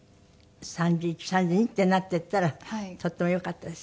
３１３２ってなっていったらとてもよかったです。